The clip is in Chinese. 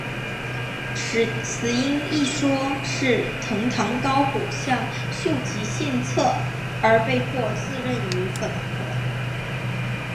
死因一说是藤堂高虎向秀吉献策而被迫自刃于粉河。